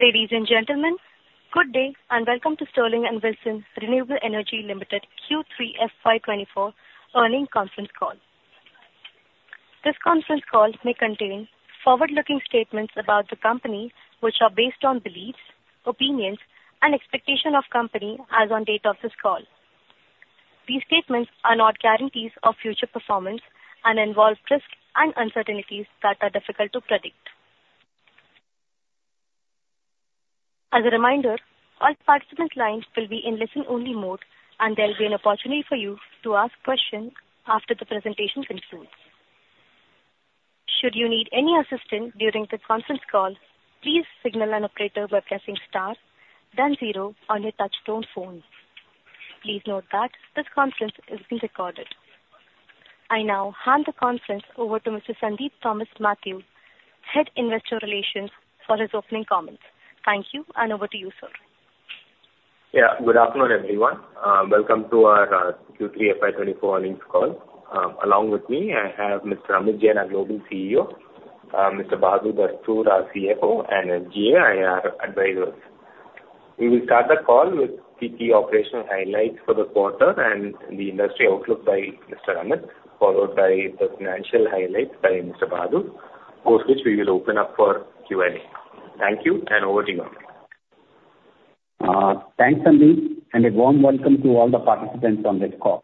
Ladies and gentlemen, good day, and welcome to Sterling and Wilson Renewable Energy Limited Q3 FY24 Earnings Conference Call. This conference call may contain forward-looking statements about the company which are based on beliefs, opinions, and expectation of company as on date of this call. These statements are not guarantees of future performance and involve risks and uncertainties that are difficult to predict. As a reminder, all participant lines will be in listen-only mode, and there will be an opportunity for you to ask questions after the presentation concludes. Should you need any assistance during the conference call, please signal an operator by pressing star then zero on your touchtone phone. Please note that this conference is being recorded. I now hand the conference over to Mr. Sandeep Thomas Mathew, Head Investor Relations, for his opening comments. Thank you, and over to you, sir. Yeah, good afternoon, everyone. Welcome to our Q3 FY24 earnings call. Along with me, I have Mr. Amit Jain, our Global CEO, Mr. Bahadur Dastoor, our CFO, and SGA, IR advisors. We will start the call with the key operational highlights for the quarter and the industry outlook by Mr. Amit, followed by the financial highlights by Mr. Bahadur, post which we will open up for Q&A. Thank you, and over to you. Thanks, Sandeep, and a warm welcome to all the participants on this call.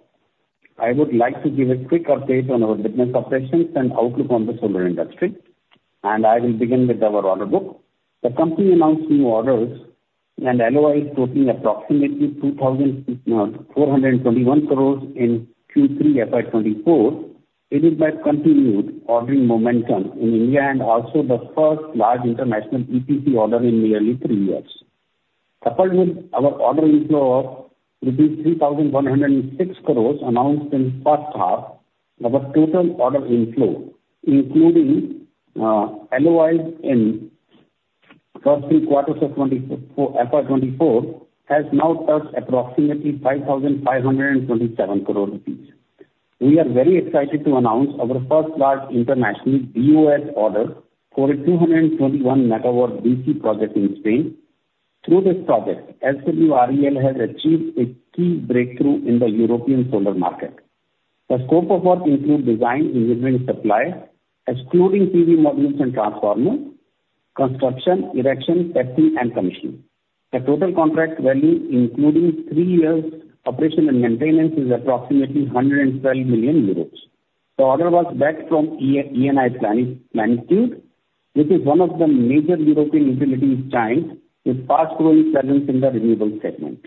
I would like to give a quick update on our business operations and outlook on the solar industry, and I will begin with our order book. The company announced new orders and LOIs totaling approximately 2,421 crore in Q3 FY 2024, aided by continued ordering momentum in India, and also the first large international EPC order in nearly three years. Coupled with our order inflow of rupees 3,106 crore announced in first half, our total order inflow, including LOIs in first three quarters of 2024, FY 2024, has now touched approximately 5,527 crore rupees. We are very excited to announce our first large international BOS order for a 221 MW DC project in Spain. Through this project, SWREL has achieved a key breakthrough in the European solar market. The scope of work includes design, engineering, supply, excluding PV modules and transformers, construction, erection, testing, and commissioning. The total contract value, including three years' operation and maintenance, is approximately 112 million euros. The order was booked from Eni Plenitude, which is one of the major European utility giants with fast growing presence in the renewable segment.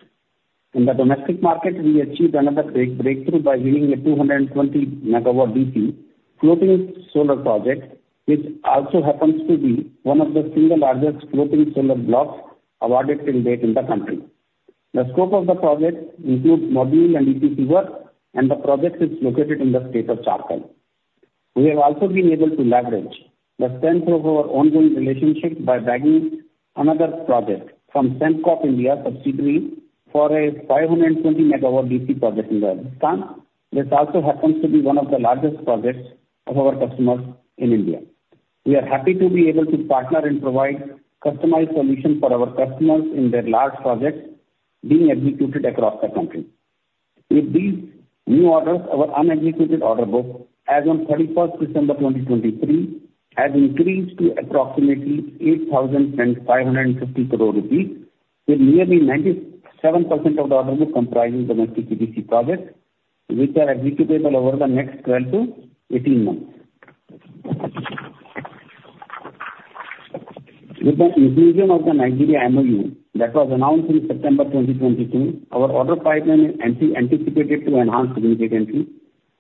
In the domestic market, we achieved another great breakthrough by winning a 220 MW DC floating solar project, which also happens to be one of the single largest floating solar blocks awarded to date in the country. The scope of the project includes module and EPC work, and the project is located in the state of Chhattisgarh. We have also been able to leverage the strength of our ongoing relationship by bagging another project from Serentica India subsidiary for a 520 MW DC project in Rajasthan. This also happens to be one of the largest projects of our customers in India. We are happy to be able to partner and provide customized solutions for our customers in their large projects being executed across the country. With these new orders, our unexecuted order book as on 31st December 2023, has increased to approximately 8,550 crore rupees, with nearly 97% of the order book comprising domestic EPC projects, which are executable over the next 12-18 months. With the inclusion of the Nigeria MoU that was announced in September 2022, our order pipeline and anticipated to enhance significantly.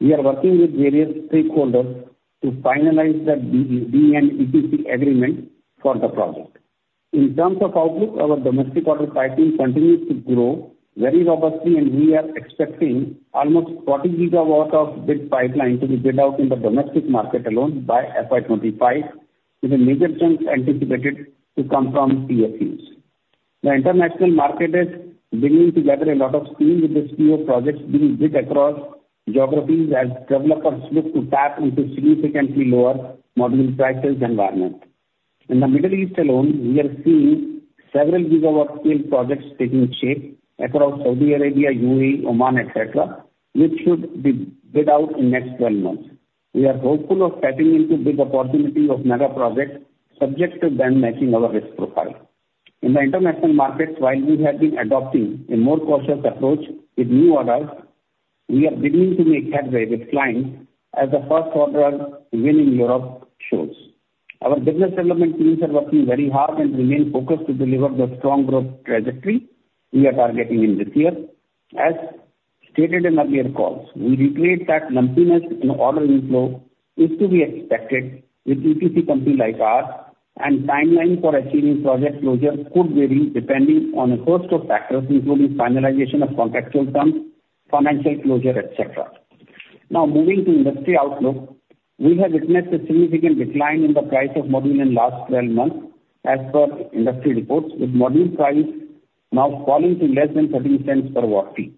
We are working with various stakeholders to finalize the DE and EPC agreement for the project. In terms of outlook, our domestic order pipeline continues to grow very robustly, and we are expecting almost 40 GW of bid pipeline to be bid out in the domestic market alone by FY 2025, with a major chunk anticipated to come from CFAs. The international market is beginning to gather a lot of steam, with the EPC projects being bid across geographies as developers look to tap into significantly lower module prices environment. In the Middle East alone, we are seeing several gigawatt-scale projects taking shape across Saudi Arabia, UAE, Oman, et cetera, which should be bid out in next 12 months. We are hopeful of tapping into big opportunity of mega projects, subject to them matching our risk profile. In the international markets, while we have been adopting a more cautious approach with new orders, we are beginning to make headway with clients, as the first order win in Europe shows. Our business development teams are working very hard and remain focused to deliver the strong growth trajectory we are targeting in this year. As stated in earlier calls, we reiterate that lumpiness in order inflow is to be expected with EPC company like ours, and timeline for achieving project closure could vary depending on a host of factors, including finalization of contractual terms, financial closure, et cetera. Now, moving to industry outlook, we have witnessed a significant decline in the price of module in last 12 months, as per industry reports, with module price now falling to less than $0.13 per watt peak.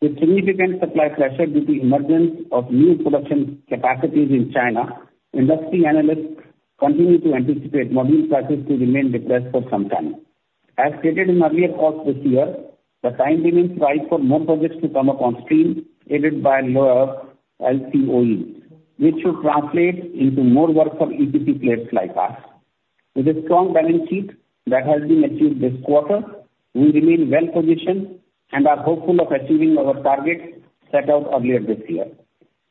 With significant supply pressure due to emergence of new production capacities in China, industry analysts continue to anticipate module prices to remain depressed for some time. As stated in earlier calls this year, the time remains right for more projects to come up on stream, aided by lower LCOE, which should translate into more work for EPC players like us. With a strong balance sheet that has been achieved this quarter, we remain well positioned and are hopeful of achieving our targets set out earlier this year.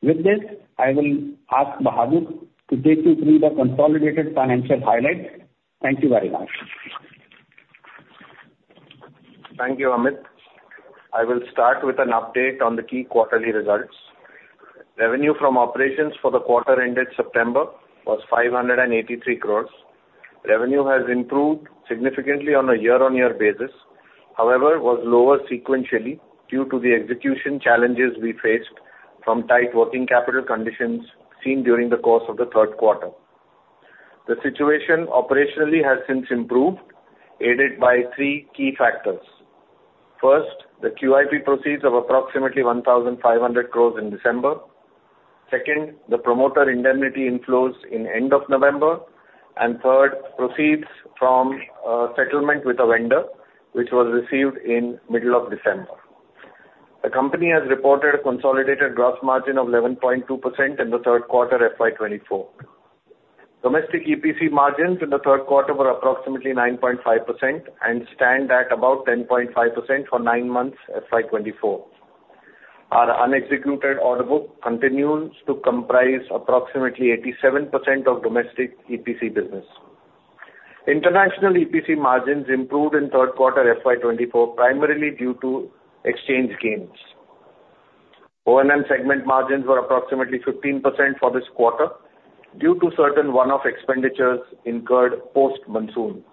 With this, I will ask Bahadur to take you through the consolidated financial highlights. Thank you very much. Thank you, Amit. I will start with an update on the key quarterly results. Revenue from operations for the quarter ended September was 583 crore. Revenue has improved significantly on a year-on-year basis, however, was lower sequentially due to the execution challenges we faced from tight working capital conditions seen during the course of the third quarter. The situation operationally has since improved, aided by three key factors: First, the QIP proceeds of approximately 1,500 crore in December. Second, the promoter indemnity inflows in end of November, and third, proceeds from settlement with a vendor, which was received in middle of December. The company has reported a consolidated gross margin of 11.2% in the third quarter, FY 2024. Domestic EPC margins in the third quarter were approximately 9.5% and stand at about 10.5% for nine months, FY 2024. Our unexecuted order book continues to comprise approximately 87% of domestic EPC business. International EPC margins improved in third quarter FY 2024, primarily due to exchange gains. O&M segment margins were approximately 15% for this quarter due to certain one-off expenditures incurred post-monsoon.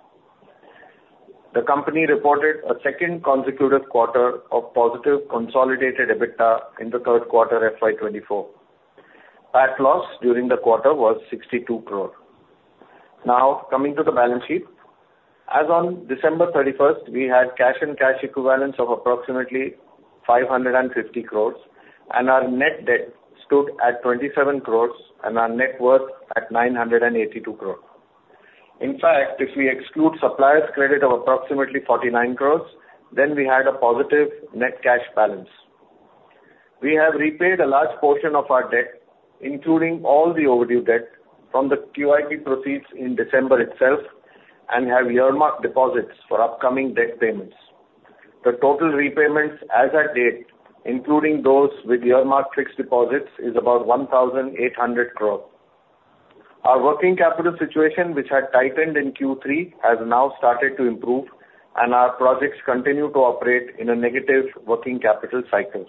The company reported a second consecutive quarter of positive consolidated EBITDA in the third quarter, FY 2024. PAT loss during the quarter was 62 crore. Now, coming to the balance sheet. As on December 31st, we had cash and cash equivalents of approximately 550 crores, and our net debt stood at 27 crores and our net worth at 982 crore. In fact, if we exclude suppliers' credit of approximately 49 crore, then we had a positive net cash balance. We have repaid a large portion of our debt, including all the overdue debt, from the QIP proceeds in December itself, and have earmarked deposits for upcoming debt payments. The total repayments as at date, including those with earmarked fixed deposits, is about 1,800 crore. Our working capital situation, which had tightened in Q3, has now started to improve, and our projects continue to operate in a negative working capital cycle.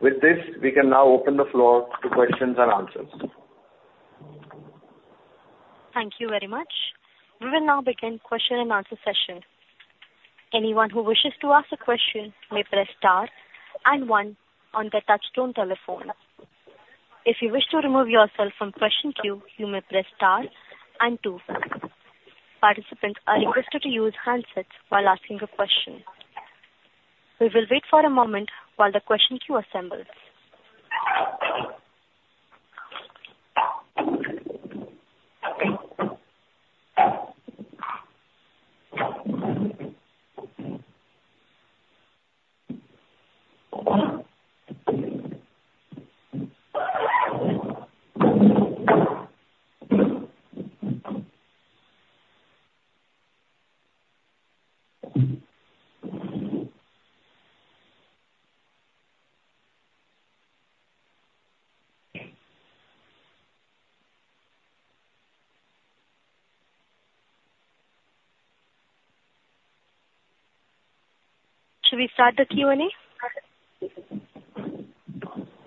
With this, we can now open the floor to questions and answers. Thank you very much. We will now begin question and answer session. Anyone who wishes to ask a question may press star and one on their touchtone telephone. If you wish to remove yourself from question queue, you may press star and two. Participants are requested to use handsets while asking a question. We will wait for a moment while the question queue assembles. Should we start the Q&A?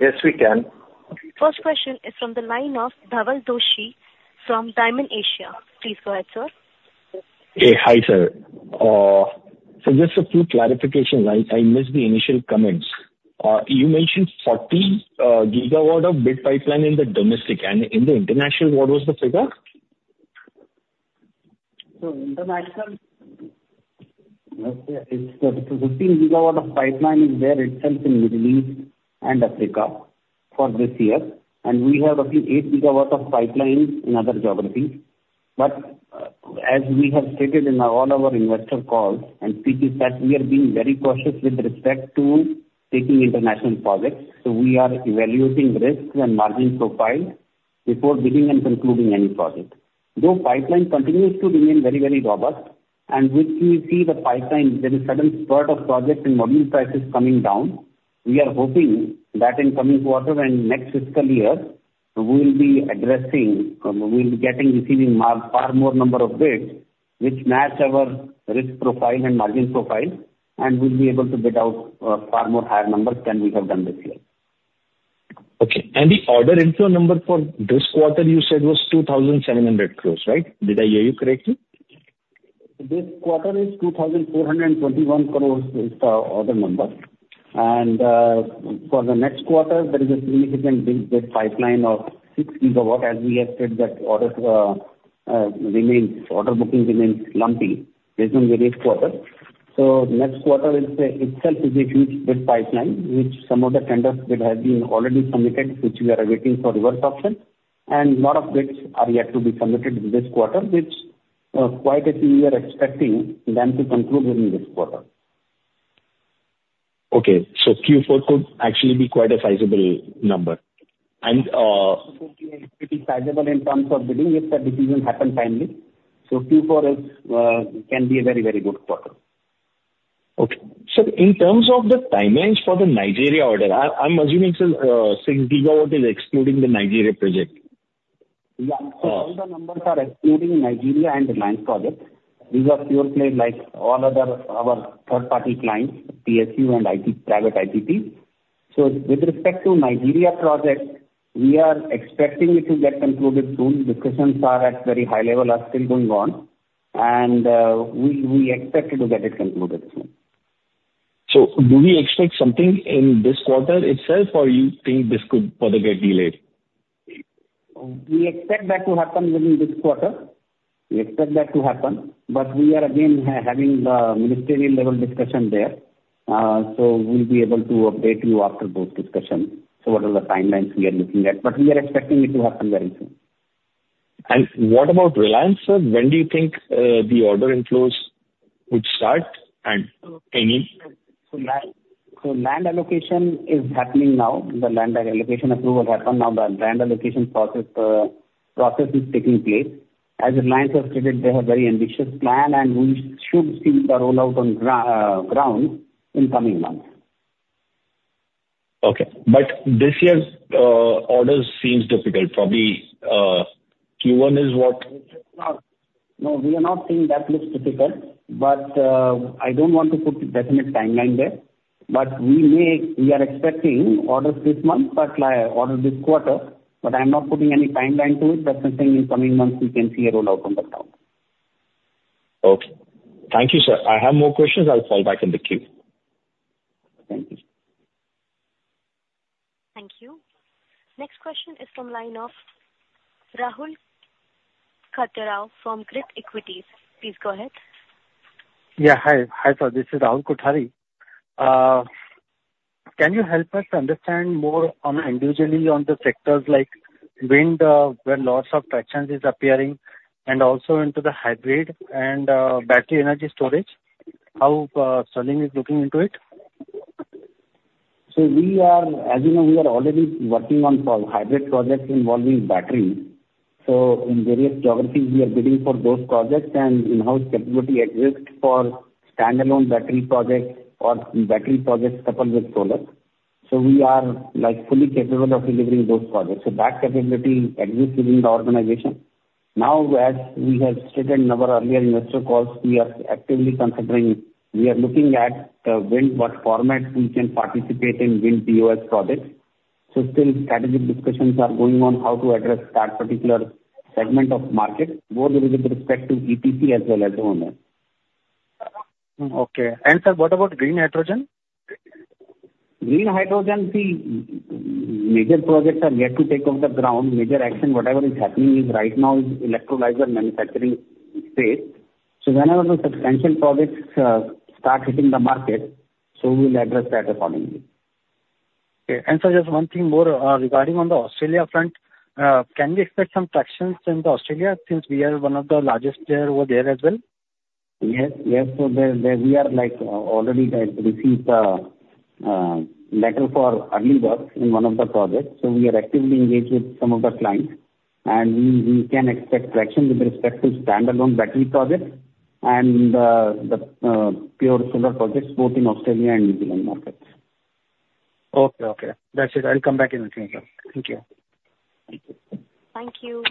Yes, we can. First question is from the line of Dhawal Doshi from Dymon Asia. Please go ahead, sir. Hey, hi, sir. So just a few clarification, I, I missed the initial comments. You mentioned 40 GW of bid pipeline in the domestic, and in the international, what was the figure? International, let's say it's 15 GWp of pipeline there itself in Middle East and Africa for this year, and we have roughly eight GWp of pipeline in other geographies. But, as we have stated in all our investor calls and previous that we are being very cautious with respect to taking international projects. So we are evaluating risks and margin profile before bidding and concluding any project. Though pipeline continues to remain very, very robust, and which we see the pipeline, there is sudden spurt of projects and module prices coming down, we are hoping that in coming quarters and next fiscal year, we will be addressing, we'll be getting, receiving far more number of bids, which match our risk profile and margin profile, and we'll be able to bid out far more higher numbers than we have done this year. Okay. The order inflow number for this quarter, you said was 2,700 crores, right? Did I hear you correctly? This quarter is 2,421 crore is the order number. For the next quarter, there is a significant big bid pipeline of six GW, as we estimated that orders remains, order booking remains lumpy based on various quarters. Next quarter itself is a huge bid pipeline, which some of the tenders that have been already submitted, which we are awaiting for reverse auction, and lot of bids are yet to be submitted this quarter, which quite a few we are expecting them to conclude within this quarter. Okay, so Q4 could actually be quite a sizable number. And, It could be pretty sizable in terms of bidding, if the decision happen timely. So Q4 is, can be a very, very good quarter. Okay. Sir, in terms of the timelines for the Nigeria order, I, I'm assuming, sir, six GW is excluding the Nigeria project? Yeah. Uh. So all the numbers are excluding Nigeria and the Reliance project. These are pure play, like all other our third party clients, PSU and IT, private IPP. So with respect to Nigeria project, we are expecting it to get concluded soon. Discussions are at very high level, are still going on, and we expect to get it concluded soon. So do we expect something in this quarter itself, or you think this could further get delayed? We expect that to happen within this quarter. We expect that to happen, but we are again having the ministerial level discussion there. So we'll be able to update you after those discussions. So, what are the timelines we are looking at, but we are expecting it to happen very soon. What about Reliance, sir? When do you think the order inflows would start and any? So land allocation is happening now. The land allocation approval happened, now the land allocation process is taking place. As Reliance has stated, they have very ambitious plan, and we should see the rollout on ground in coming months. Okay. But this year's orders seems difficult. Probably Q1 is what? No, we are not saying that looks difficult, but I don't want to put definite timeline there. But we may—we are expecting orders this month, but or this quarter, but I'm not putting any timeline to it. But I'm saying in coming months we can see a rollout on the ground. Okay. Thank you, sir. I have more questions. I'll fall back in the queue. Thank you. Thank you. Next question is from the line of Rahul Kothari from Grit Equities. Please go ahead. Yeah, hi. Hi, sir, this is Rahul Kothari. Can you help us understand more on individually on the sectors like wind, where lots of traction is appearing, and also into the hybrid and battery energy storage? How Sterling is looking into it? So we are, as you know, we are already working on some hybrid projects involving battery. So in various geographies, we are bidding for those projects and in-house capability exist for standalone battery projects or battery projects coupled with solar. So we are, like, fully capable of delivering those projects. So that capability exists within the organization. Now, as we have stated in our earlier investor calls, we are actively considering, we are looking at wind, what formats we can participate in wind BOS projects. So still strategic discussions are going on, how to address that particular segment of market, both with respect to EPC as well as O&M. Okay. Sir, what about green hydrogen? Green hydrogen, see, major projects are yet to take off the ground. Major action, whatever is happening right now is electrolyzer manufacturing space. So whenever the substantial projects start hitting the market, so we will address that accordingly. Okay. Sir, just one thing more, regarding on the Australia front. Can we expect some traction in the Australia, since we are one of the largest player over there as well? Yes, yes. So there, there we are, like, already received a letter for early works in one of the projects. So we are actively engaged with some of the clients, and we, we can expect traction with respect to standalone battery projects and, the, pure solar projects both in Australia and New Zealand markets. Okay, okay. That's it. I'll come back in the future. Thank you. Thank you. Thank you.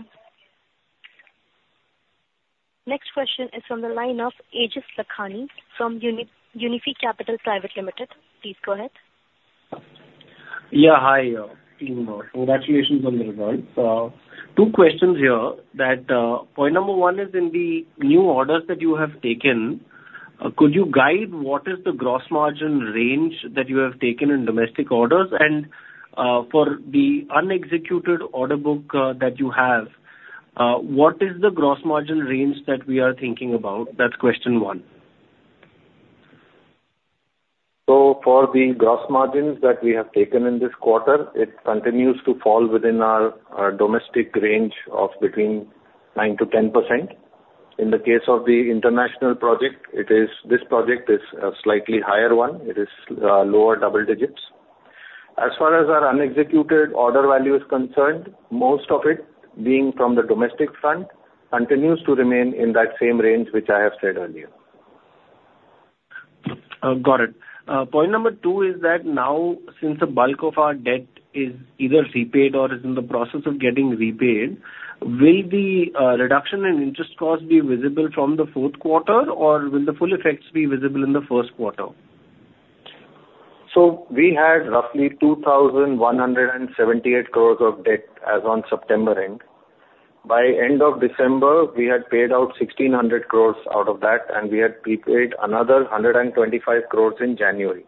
Next question is from the line of Aejas Lakhani from Unifi Capital Private Ltd. Please go ahead. Yeah, hi, team. Congratulations on the results! Two questions here, point number one is in the new orders that you have taken, could you guide what is the gross margin range that you have taken in domestic orders? And, for the unexecuted order book, that you have, what is the gross margin range that we are thinking about? That's question one. So, for the gross margins that we have taken in this quarter, it continues to fall within our, our domestic range of between 9%-10%. In the case of the international project, it is, this project is a slightly higher one. It is, lower double digits. As far as our unexecuted order value is concerned, most of it being from the domestic front, continues to remain in that same range, which I have said earlier. Got it. Point number two is that now, since the bulk of our debt is either repaid or is in the process of getting repaid, will the reduction in interest costs be visible from the fourth quarter, or will the full effects be visible in the first quarter? We had roughly 2,178 crores of debt as on September end. By end of December, we had paid out 1,600 crores out of that, and we had prepaid another 125 crores in January....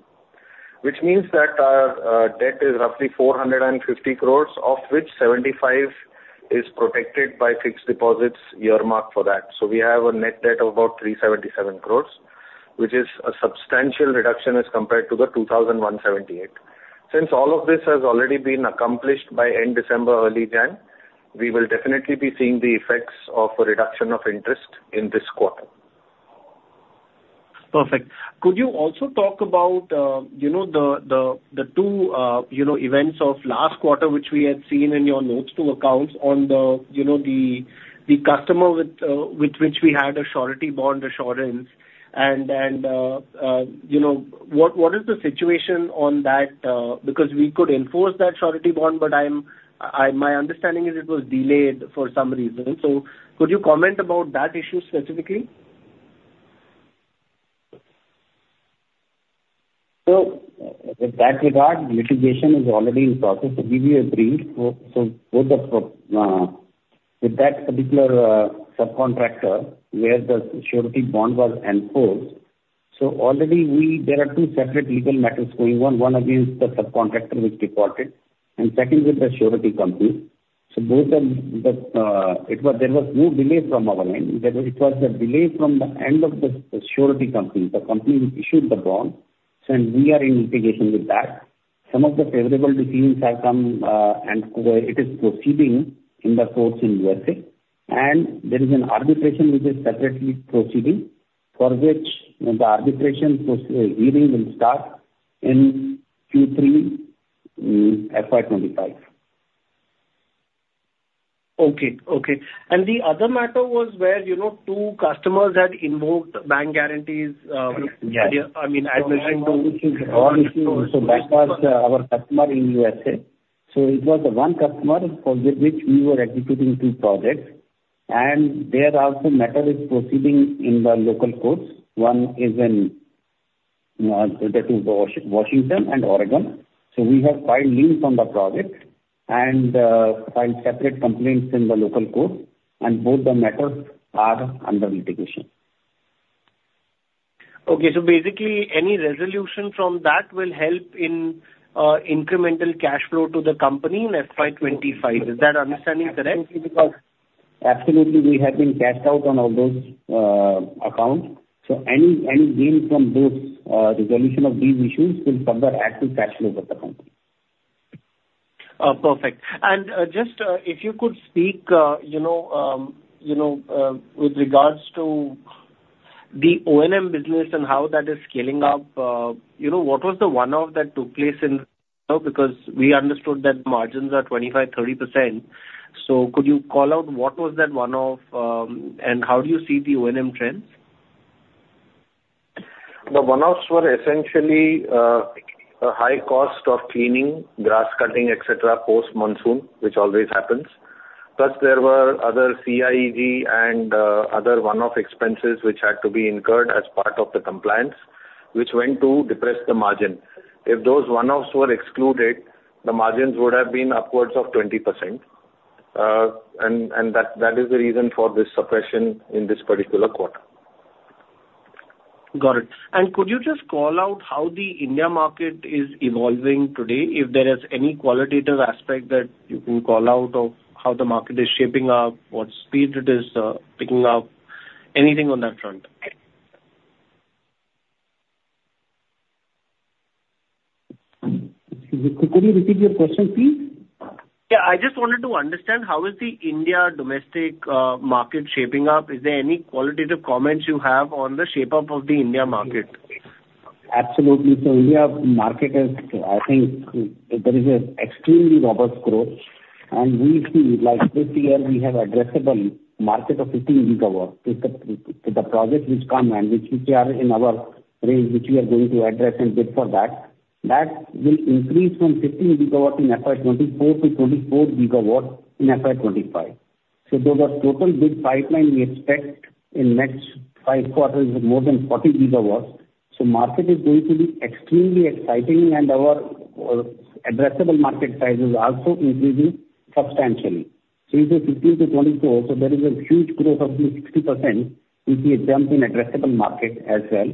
Which means that our debt is roughly 450 crore, of which 75 is protected by fixed deposits earmarked for that. So we have a net debt of about 377 crore, which is a substantial reduction as compared to the 2,178 crore. Since all of this has already been accomplished by end December, early January, we will definitely be seeing the effects of a reduction of interest in this quarter. Perfect. Could you also talk about, you know, the two events of last quarter, which we had seen in your notes to accounts on the, you know, the customer with which we had a surety bond assurance, and, you know, what is the situation on that? Because we could enforce that surety bond, but I, my understanding is it was delayed for some reason. So could you comment about that issue specifically? So in that regard, litigation is already in process. To give you a brief, so both of with that particular subcontractor, where the surety bond was enforced, so already. There are two separate legal matters going on. One against the subcontractor which defaulted, and second with the surety company. So both of the, there was no delay from our end. It was a delay from the end of the surety company, the company which issued the bond, so and we are in litigation with that. Some of the favorable decisions have come, and it is proceeding in the courts in USA, and there is an arbitration which is separately proceeding, for which the arbitration hearing will start in Q3 FY 2025. Okay. Okay. The other matter was where, you know, two customers had invoked bank guarantees. Yeah. I mean, as mentioned- So that was our customer in USA. So it was one customer for which we were executing two projects, and there also matter is proceeding in the local courts. One is in, that is Washington and Oregon. So we have filed liens on the project and filed separate complaints in the local court, and both the matters are under litigation. Okay. So basically, any resolution from that will help in incremental cash flow to the company in FY 2025. Is that understanding correct? Absolutely, because absolutely, we have been cashed out on all those, accounts. So any, any gain from those, resolution of these issues will further add to cash flow of the company. Perfect. And, just, if you could speak, you know, you know, with regards to the O&M business and how that is scaling up. You know, what was the one-off that took place in because we understood that margins are 25%-30%. So could you call out what was that one-off, and how do you see the O&M trends? The one-offs were essentially, a high cost of cleaning, grass cutting, et cetera, post-monsoon, which always happens. Plus, there were other CIEG and, other one-off expenses, which had to be incurred as part of the compliance, which went to depress the margin. If those one-offs were excluded, the margins would have been upwards of 20%. And that is the reason for this suppression in this particular quarter. Got it. Could you just call out how the India market is evolving today, if there is any qualitative aspect that you can call out of how the market is shaping up, what speed it is picking up? Anything on that front. Excuse me. Could you repeat your question, please? Yeah, I just wanted to understand: How is the India domestic market shaping up? Is there any qualitative comments you have on the shape-up of the India market? Absolutely. So Indian market is, I think, there is an extremely robust growth, and we see, like this year, we have addressable market of 15 GW. With the projects which come and which we are in our range, which we are going to address and bid for, that will increase from 15 GW in FY 2024 to 24 GW in FY 2025. So the total bid pipeline we expect in next five quarters is more than 40 GW. So market is going to be extremely exciting and our addressable market size is also increasing substantially. So it's 15-24, so there is a huge growth of 60%, which is jump in addressable market as well.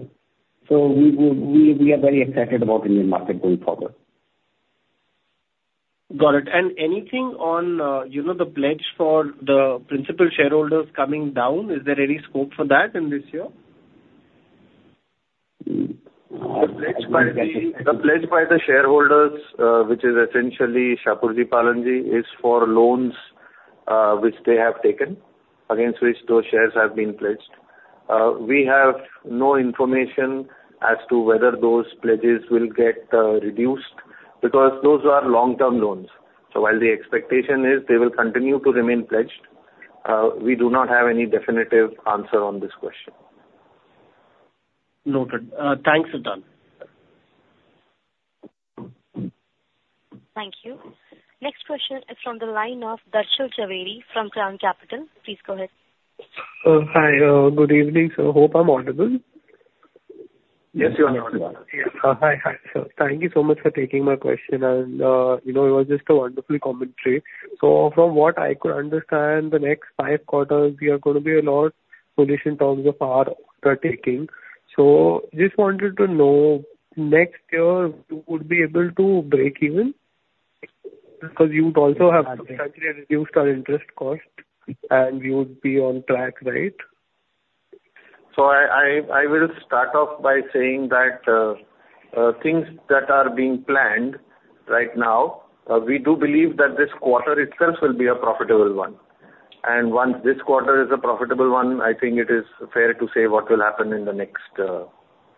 So we are very excited about Indian market going forward. Got it. And anything on, you know, the pledge for the principal shareholders coming down? Is there any scope for that in this year? The pledge by the shareholders, which is essentially Shapoorji Pallonji, is for loans which they have taken, against which those shares have been pledged. We have no information as to whether those pledges will get reduced, because those are long-term loans. While the expectation is they will continue to remain pledged, we do not have any definitive answer on this question. Noted. Thanks for that. Thank you. Next question is from the line of Darshil Jhaveri from Crown Capital. Please go ahead. Hi, good evening. So hope I'm audible. Yes, you are audible. Hi. Hi, sir. Thank you so much for taking my question. And, you know, it was just a wonderful commentary. So from what I could understand, the next five quarters we are going to be a lot better position in terms of our undertaking. So just wanted to know, next year you would be able to break even, because you would also have substantially reduced our interest cost and you would be on track, right? So I will start off by saying that things that are being planned right now, we do believe that this quarter itself will be a profitable one. Once this quarter is a profitable one, I think it is fair to say what will happen in the next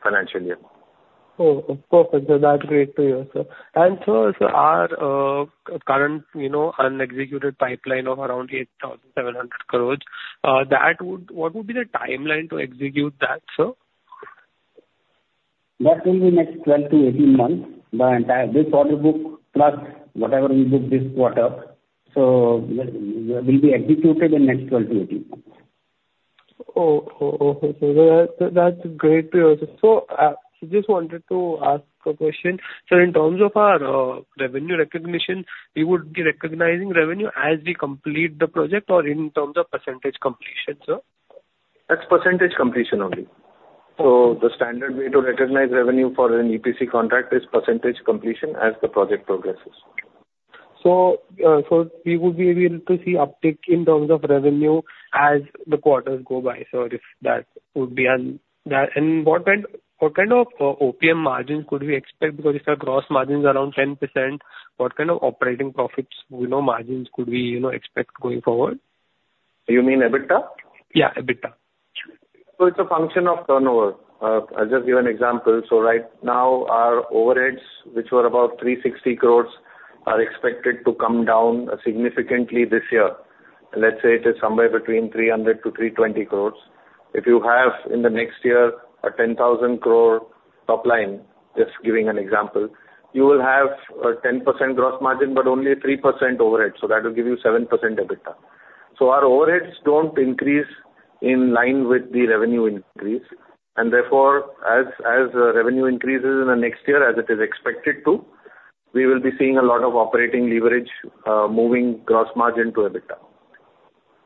financial year. Oh, okay. Perfect. So that's great to hear, sir. And so, so our current, you know, unexecuted pipeline of around 8,700 crore, that would—what would be the timeline to execute that, sir? That will be next 12-18 months, the entire this order book, plus whatever we book this quarter. That will be executed in next 12-18 months. Oh, oh, okay. So that, so that's great to hear. So, just wanted to ask a question. Sir, in terms of our revenue recognition, we would be recognizing revenue as we complete the project or in terms of percentage completion, sir? That's percentage completion only. So the standard way to recognize revenue for an EPC contract is percentage completion as the project progresses. So, so we would be able to see uptick in terms of revenue as the quarters go by, sir, if that would be an... That and what kind, what kind of OPM margins could we expect? Because if our gross margins are around 10%, what kind of operating profits, you know, margins could we, you know, expect going forward? You mean EBITDA? Yeah, EBITDA. So it's a function of turnover. I'll just give you an example. So right now, our overheads, which were about 360 crore, are expected to come down significantly this year. Let's say it is somewhere between 300 crore-320 crore. If you have, in the next year, a 10,000 crore top line, just giving an example, you will have a 10% gross margin, but only 3% overhead. So that will give you 7% EBITDA. So our overheads don't increase in line with the revenue increase, and therefore, as revenue increases in the next year, as it is expected to, we will be seeing a lot of operating leverage, moving gross margin to EBITDA.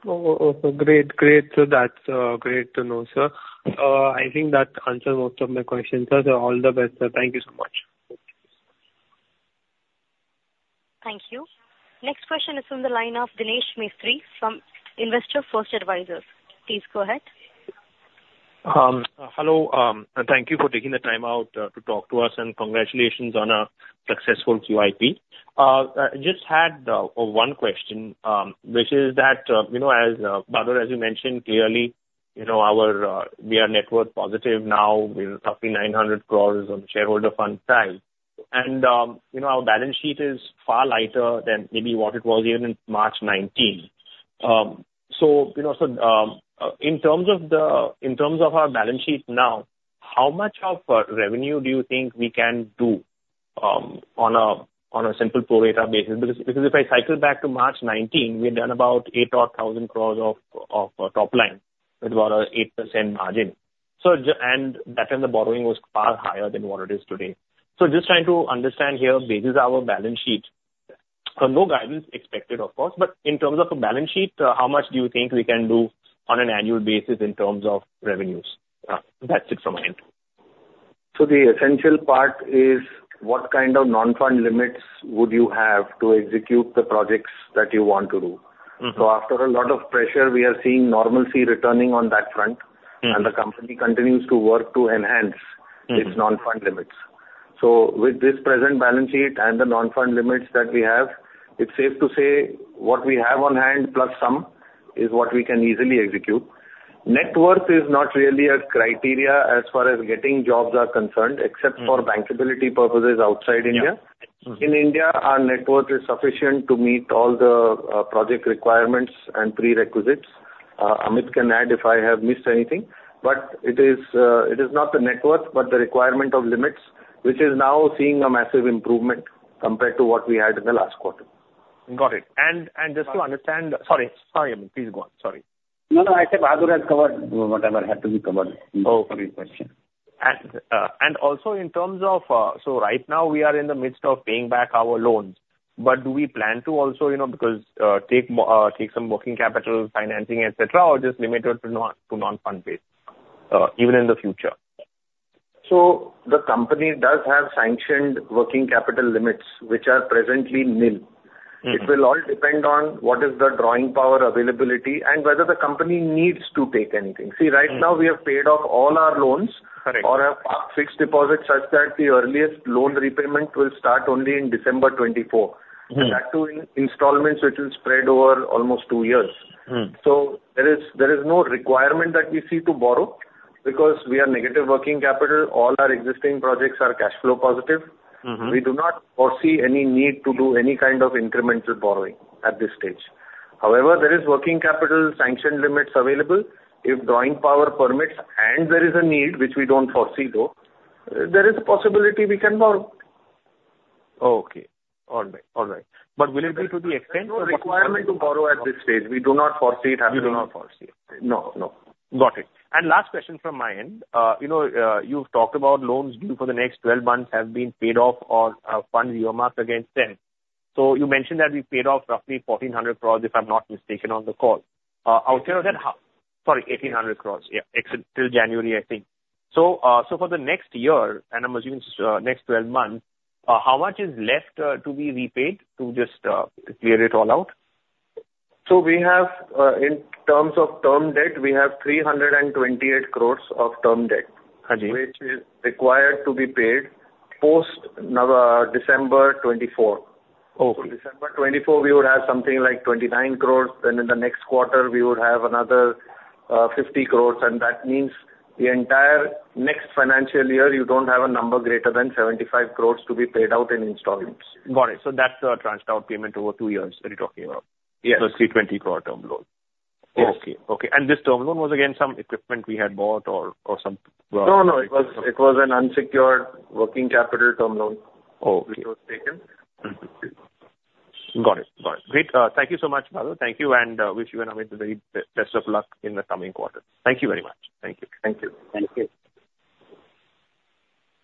Oh, okay. Great, great. So that's, great to know, sir. I think that answers most of my questions, sir. So all the best, sir. Thank you so much. Thank you. Next question is from the line of Danesh Mistry from Investor First Advisors. Please go ahead. Hello, and thank you for taking the time out to talk to us, and congratulations on a successful QIP. I just had one question, which is that, you know, as Bahadur, as you mentioned, clearly, you know, we are net worth positive now with roughly 900 crore of shareholder fund size. You know, our balance sheet is far lighter than maybe what it was even in March 2019. So, you know, in terms of our balance sheet now, how much revenue do you think we can do on a simple pro rata basis? Because if I cycle back to March 2019, we've done about 8,000 crore of top line with about 8% margin. Back then, the borrowing was far higher than what it is today. Just trying to understand here, basis our balance sheet. No guidance expected, of course, but in terms of a balance sheet, how much do you think we can do on an annual basis in terms of revenues? That's it from my end. The essential part is, what kind of non-fund limits would you have to execute the projects that you want to do? Mm-hmm. After a lot of pressure, we are seeing normalcy returning on that front- Mm. and the company continues to work to enhance. Mm. - its non-fund limits. So with this present balance sheet and the non-fund limits that we have, it's safe to say what we have on hand plus some, is what we can easily execute. Net worth is not really a criterion as far as getting jobs are concerned- Mm. except for bankability purposes outside India. Yeah. Mm. In India, our net worth is sufficient to meet all the project requirements and prerequisites. Amit can add if I have missed anything, but it is not the net worth, but the requirement of limits, which is now seeing a massive improvement compared to what we had in the last quarter. Got it. And, and just to understand... Sorry. Sorry, Amit, please go on. Sorry. No, no, I think Bahadur has covered whatever had to be covered. Oh. - for your question. And also in terms of, so right now we are in the midst of paying back our loans, but do we plan to also, you know, because take some working capital financing, et cetera, or just limit it to non-fund based even in the future? The company does have sanctioned working capital limits, which are presently nil. Mm. It will all depend on what is the drawing power availability and whether the company needs to take anything. Mm. See, right now we have paid off all our loans- Correct. - or have fixed deposits such that the earliest loan repayment will start only in December 2024. Mm. And that too in installments, which will spread over almost two years. Mm. There is no requirement that we see to borrow, because we are negative working capital. All our existing projects are cash flow positive. Mm-hmm. We do not foresee any need to do any kind of incremental borrowing at this stage. However, there is working capital sanction limits available. If drawing power permits and there is a need, which we don't foresee, though, there is a possibility we can borrow. Okay. All right, all right. But will it be to the extent or- There's no requirement to borrow at this stage. We do not foresee it happening. You do not foresee it. No, no. Got it. And last question from my end. You know, you've talked about loans due for the next 12 months have been paid off or, funds earmarked against them... So you mentioned that we paid off roughly 1,400 crore, if I'm not mistaken, on the call. Out of that, how—Sorry, 1,800 crore. Yeah, except till January, I think. So, so for the next year, and I'm assuming, next 12 months, how much is left, to be repaid to just, to clear it all out? We have, in terms of term debt, we have 328 crore of term debt. Okay. Which is required to be paid post November, December 2024. Okay. So December 2024, we would have something like 29 crore, then in the next quarter, we would have another fifty crores, and that means the entire next financial year, you don't have a number greater than 75 crore to be paid out in installments. Got it. So that's a tranched out payment over two years that you're talking about? Yes. 320 crore term loan. Yes. Okay, okay. This term loan was, again, some equipment we had bought or some. No, no, it was, it was an unsecured working capital term loan- Okay -which was taken. Got it. Got it. Great. Thank you so much, Madhu. Thank you, and wish you and Amit the very best of luck in the coming quarter. Thank you very much. Thank you. Thank you. Thank you.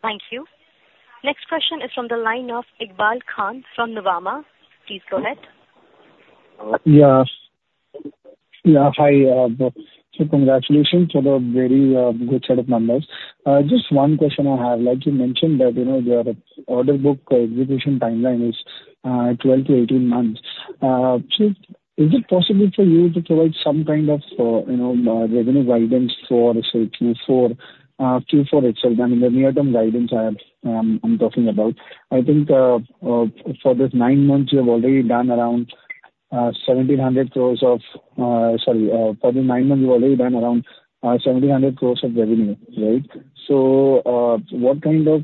Thank you. Next question is from the line of Iqbal Khan from Nuvama. Please go ahead. Yeah. Yeah, hi, so congratulations for the very good set of numbers. Just one question I have, like you mentioned, that, you know, your order book execution timeline is 12-18 months. So is it possible for you to provide some kind of, you know, revenue guidance for, say, Q4, Q4 itself? I mean, the near-term guidance I have, I'm talking about. I think, for the nine months, you've already done around 1,700 crore of revenue, right? So, what kind of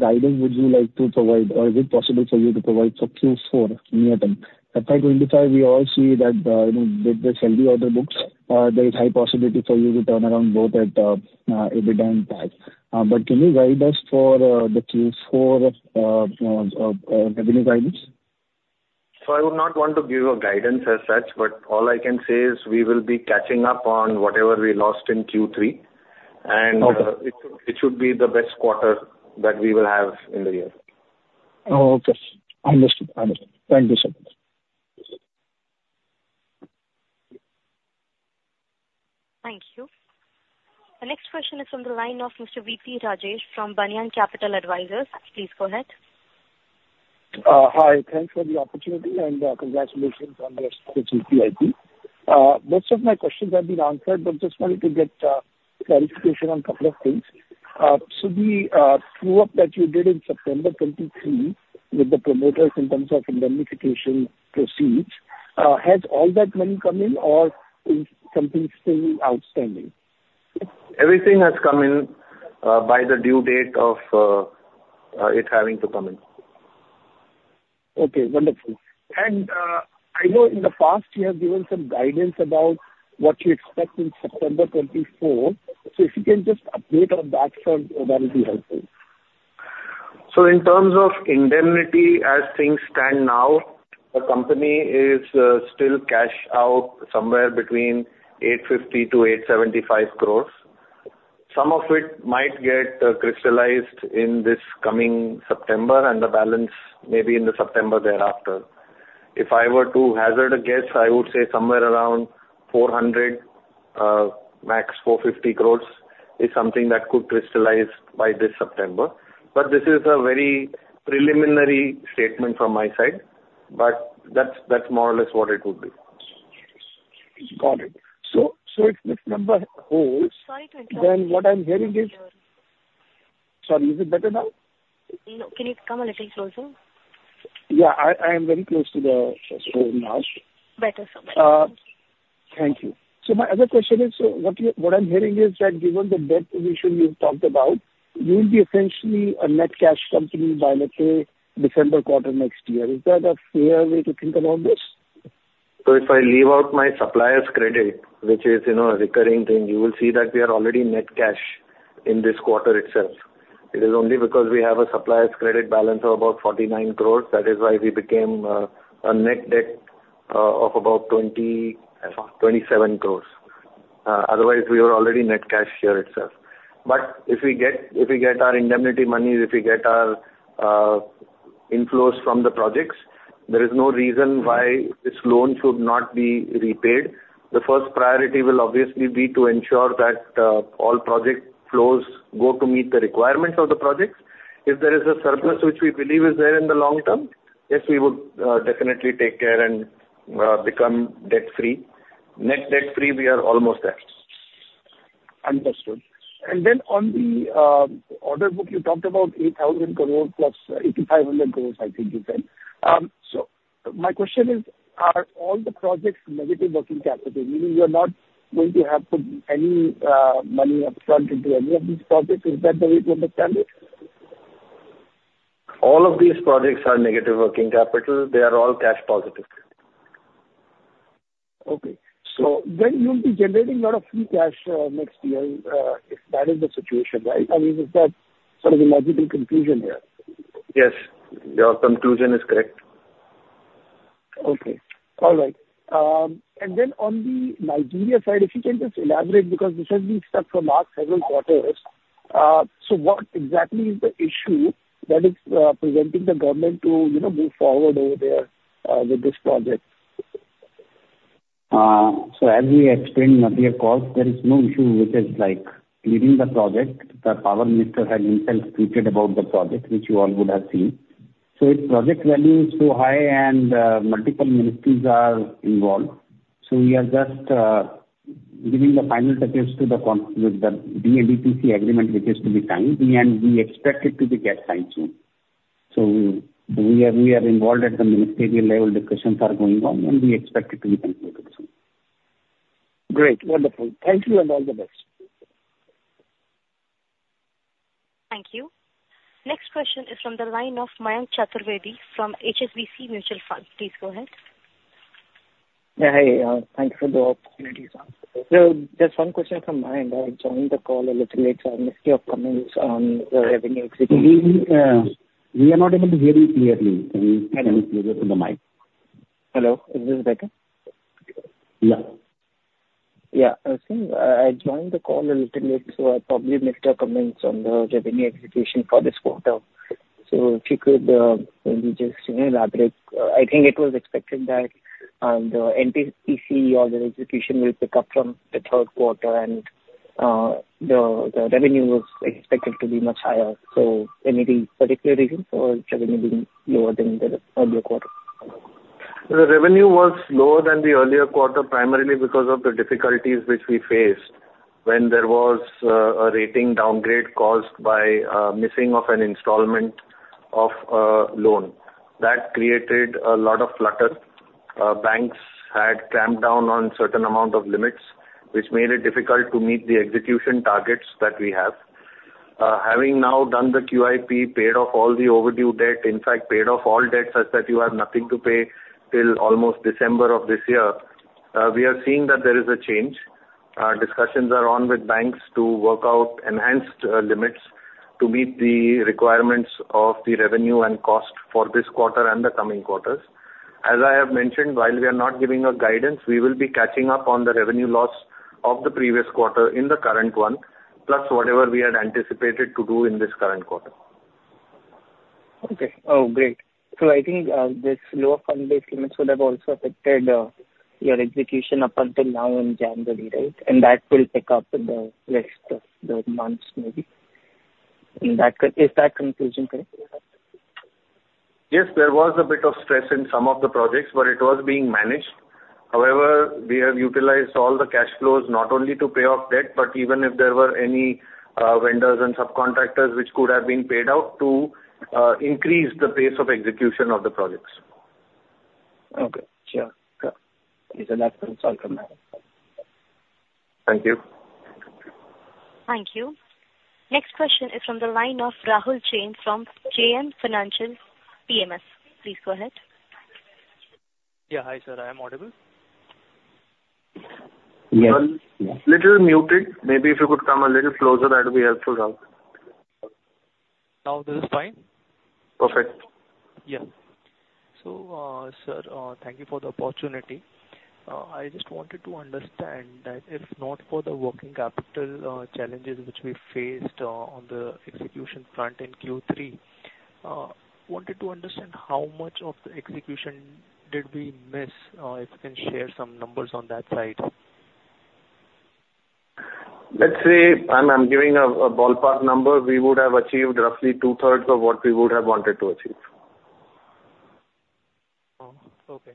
guidance would you like to provide, or is it possible for you to provide for Q4 near-term? FY25, we all see that, you know, with the steady order books, there is high possibility for you to turn around both at EBITDA and PAT. But can you guide us for the Q4 revenue guidance? I would not want to give a guidance as such, but all I can say is we will be catching up on whatever we lost in Q3. Okay. It should be the best quarter that we will have in the year. Oh, okay. Understood. Understood. Thank you so much. Thank you. The next question is from the line of Mr. V.P. Rajesh from Banyan Capital Advisors. Please go ahead. Hi, thanks for the opportunity, and congratulations on the successful QIP. Most of my questions have been answered, but just wanted to get clarification on a couple of things. So the true-up that you did in September 2023 with the promoters in terms of indemnification proceeds has all that money come in, or is something still outstanding? Everything has come in by the due date of it having to come in. Okay, wonderful. And, I know in the past you have given some guidance about what you expect in September 2024. So if you can just update on that front, that would be helpful. So in terms of indemnity, as things stand now, the company is still cash out somewhere between 850-875 crores. Some of which might get crystallized in this coming September, and the balance may be in the September thereafter. If I were to hazard a guess, I would say somewhere around 400, max 450 crores is something that could crystallize by this September. But this is a very preliminary statement from my side, but that's, that's more or less what it would be. Got it. So, if this number holds- Sorry to interrupt. Then what I'm hearing is... Sorry, is it better now? No. Can you come a little closer? Yeah, I am very close to the phone now. Better, sir. Thank you. So my other question is, so what you, what I'm hearing is that given the debt position you've talked about, you'll be essentially a net cash company by, let's say, December quarter next year. Is that a fair way to think about this? So if I leave out my suppliers' credit, which is, you know, a recurring thing, you will see that we are already net cash in this quarter itself. It is only because we have a suppliers' credit balance of about 49 crore, that is why we became a net debt of about 27 crore. Otherwise, we were already net cash here itself. But if we get, if we get our indemnity monies, if we get our inflows from the projects, there is no reason why this loan should not be repaid. The first priority will obviously be to ensure that all project flows go to meet the requirements of the projects. If there is a surplus, which we believe is there in the long term, yes, we would definitely take care and become debt-free. Net debt-free, we are almost there. Understood. Then on the order book, you talked about 8,000 crore plus 8,500 crore, I think you said. My question is, are all the projects negative working capital, meaning you are not going to have to put any money upfront into any of these projects? Is that the way to understand it? All of these projects are negative working capital. They are all cash positive. Okay. So then you'll be generating a lot of free cash, next year, if that is the situation, right? I mean, is that sort of a logical conclusion here? Yes, your conclusion is correct. ... Okay. All right. And then on the Nigeria side, if you can just elaborate, because this has been stuck for last several quarters. So what exactly is the issue that is preventing the government to, you know, move forward over there with this project? So as we explained on the call, there is no issue which is, like, leaving the project. The power minister has himself tweeted about the project, which you all would have seen. So its project value is so high, and multiple ministries are involved, so we are just giving the final touches to the contract with the DE and EPC agreement, which is to be signed, and we expect it to get signed soon. So we are involved at the ministerial level, discussions are going on, and we expect it to be concluded soon. Great! Wonderful. Thank you, and all the best. Thank you. Next question is from the line of Mayank Chaturvedi from HSBC Mutual Fund. Please go ahead. Yeah, hi, thank you for the opportunity, sir. Just one question from my end. I joined the call a little late, so I missed your comments on the revenue execution. We, we are not able to hear you clearly. Please, please come closer to the mic. Hello, is this better? Yeah. Yeah. I think I joined the call a little late, so I probably missed your comments on the revenue execution for this quarter. So if you could maybe just re-elaborate. I think it was expected that the EPC, or the execution, will pick up from the third quarter, and the revenue was expected to be much higher. So any particular reason for revenue being lower than the earlier quarter? The revenue was lower than the earlier quarter, primarily because of the difficulties which we faced when there was a rating downgrade caused by missing of an installment of loan. That created a lot of flutter. Banks had clamped down on certain amount of limits, which made it difficult to meet the execution targets that we have. Having now done the QIP, paid off all the overdue debt, in fact paid off all debt such that you have nothing to pay till almost December of this year, we are seeing that there is a change. Discussions are on with banks to work out enhanced limits to meet the requirements of the revenue and cost for this quarter and the coming quarters. As I have mentioned, while we are not giving a guidance, we will be catching up on the revenue loss of the previous quarter in the current one, plus whatever we had anticipated to do in this current quarter. Okay. Oh, great. So I think this lower fund-based limits would have also affected your execution up until now in January, right? And that will pick up in the rest of the months, maybe. And that. Is that conclusion correct? Yes, there was a bit of stress in some of the projects, but it was being managed. However, we have utilized all the cash flows, not only to pay off debt, but even if there were any, vendors and subcontractors, which could have been paid out to, increase the pace of execution of the projects. Okay. Sure. So that's been solved for now. Thank you. Thank you. Next question is from the line of Rahul Jain from JM Financial PMS. Please go ahead. Yeah. Hi, sir. I am audible? Yes. little muted. Maybe if you could come a little closer, that would be helpful, Rahul. Now, this is fine? Perfect. Yeah. So, sir, thank you for the opportunity. I just wanted to understand that if not for the working capital challenges which we faced on the execution front in Q3, wanted to understand how much of the execution did we miss? If you can share some numbers on that side. Let's say, I'm giving a ballpark number, we would have achieved roughly 2/3 of what we would have wanted to achieve. Oh, okay.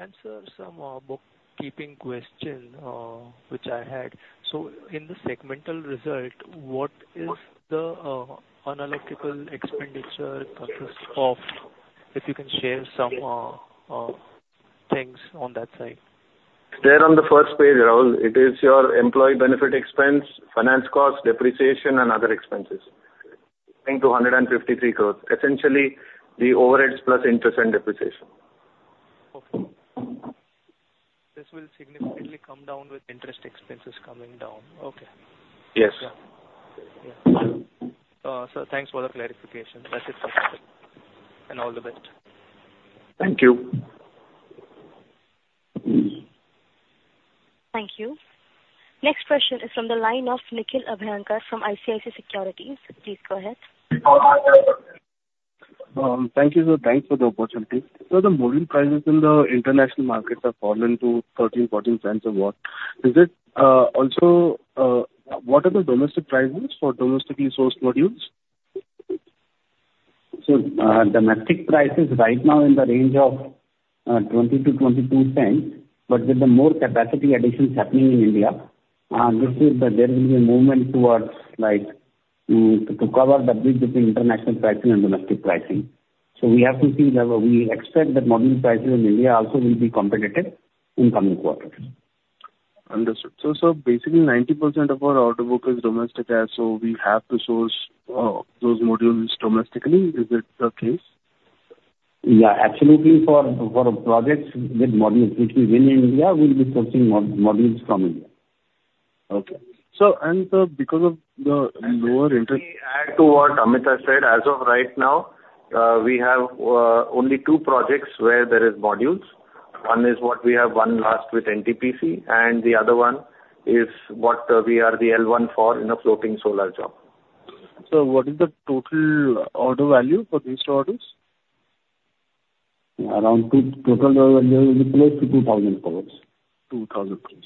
And sir, some bookkeeping question, which I had: So in the segmental result, what is the analytical expenditure versus off, if you can share some things on that side? There, on the first page, Rahul, it is your employee benefit expense, finance cost, depreciation, and other expenses. I think 253 crore. Essentially, the overheads plus interest and depreciation. Okay. This will significantly come down with interest expenses coming down. Okay. Yes. Yeah. Sir, thanks for the clarification. That's it from my side. And all the best. Thank you. Thank you. Next question is from the line of Nikhil Abhyankar from ICICI Securities. Please go ahead. Thank you, sir. Thanks for the opportunity. So the module prices in the international markets have fallen to $0.13-$0.14 per watt. Is it also what are the domestic prices for domestically sourced modules? So, domestic prices right now in the range of $0.20-$0.22, but with the more capacity additions happening in India, there will be a movement towards like to cover the bridge between international pricing and domestic pricing. So we have to see whether we expect that module prices in India also will be competitive in coming quarters. Understood. So, sir, basically 90% of our order book is domestic as so we have to source those modules domestically. Is that the case? Yeah, absolutely, for projects with modules, which is in India, we'll be sourcing modules from India.... Okay. So and, because of the lower interest- Let me add to what Amit has said. As of right now, we have only two projects where there is modules. One is what we have won last with NTPC, and the other one is what we are the L1 for in a floating solar job. So what is the total order value for these two orders? Around 2,000 total order value will be close to 2,000 crore. 2,000 crore.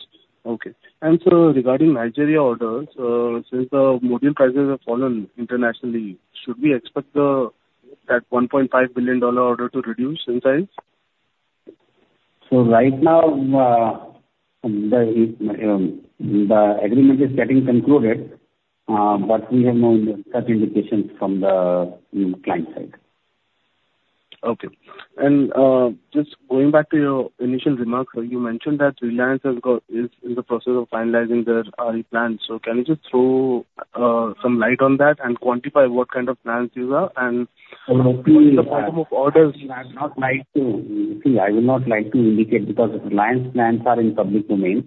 Okay. And sir, regarding Nigeria orders, since the module prices have fallen internationally, should we expect that $1.5 billion order to reduce in size? Right now, the agreement is getting concluded, but we have no such indications from the client side. Okay. Just going back to your initial remarks, sir, you mentioned that Reliance is in the process of finalizing their plans. Can you just throw some light on that and quantify what kind of plans these are, and what is the quantum of orders? I would not like to... See, I would not like to indicate, because Reliance plans are in public domain.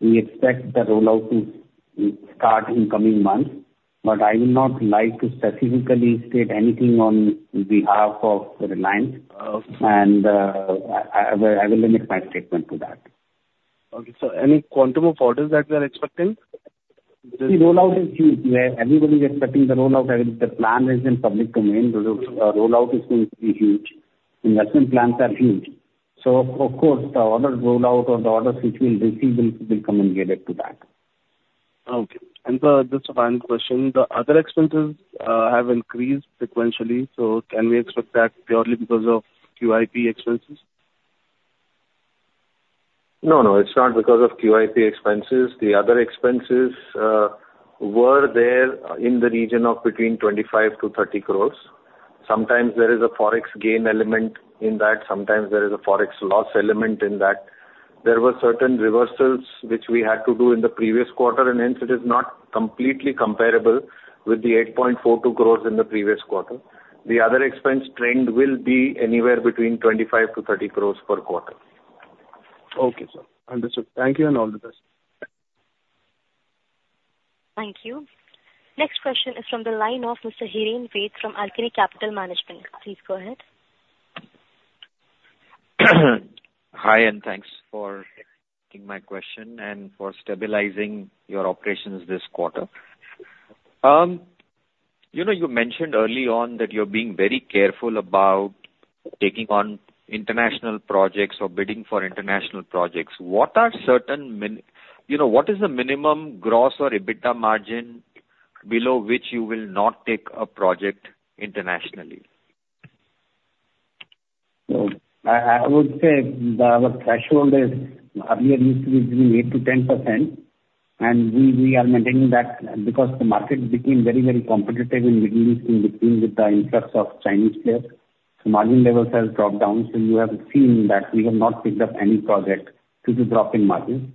We expect the rollout to start in coming months, but I would not like to specifically state anything on behalf of Reliance. Okay. I will limit my statement to that. Okay. So any quantum of orders that you are expecting? The rollout is huge. Yeah, everybody is expecting the rollout. The plan is in public domain. The rollout is going to be huge. Investment plans are huge. Of course, the order rollout or the orders which we will receive will come in related to that. Okay. Just a final question: The other expenses have increased sequentially, so can we expect that purely because of QIP expenses? No, no, it's not because of QIP expenses. The other expenses were there in the region of between 25 crore-30 crore. Sometimes there is a Forex gain element in that, sometimes there is a Forex loss element in that. There were certain reversals which we had to do in the previous quarter, and hence it is not completely comparable with the 8.42 crore in the previous quarter. The other expense trend will be anywhere between 25 crore-30 crore per quarter. Okay, sir. Understood. Thank you, and all the best. Thank you. Next question is from the line of Mr. Hiren Ved from Alchemy Capital Management. Please go ahead. Hi, and thanks for taking my question and for stabilizing your operations this quarter. You know, you mentioned early on that you're being very careful about taking on international projects or bidding for international projects. You know, what is the minimum gross or EBITDA margin below which you will not take a project internationally? So I would say that our threshold is, earlier used to be between 8%-10%, and we are maintaining that, because the market became very, very competitive in Middle East, in between with the interest of Chinese players. So margin levels have dropped down, so you have seen that we have not picked up any project due to drop in margins.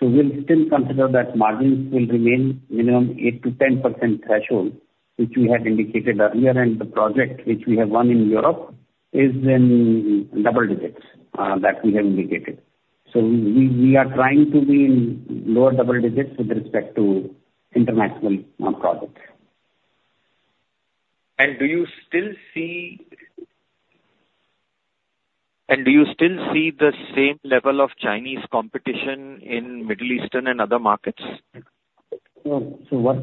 So we'll still consider that margins will remain minimum 8%-10% threshold, which we had indicated earlier, and the project which we have won in Europe is in double digits, that we have indicated. So we are trying to be in lower double digits with respect to international projects. Do you still see the same level of Chinese competition in Middle Eastern and other markets? So what